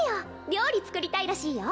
料理作りたいらしいよ